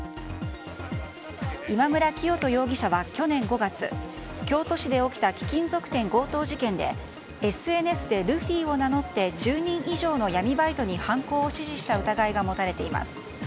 今村磨人容疑者は去年５月京都市で起きた貴金属店強盗事件でＳＮＳをルフィを名乗って１０人以上の闇バイトに犯行を指示した疑いが持たれています。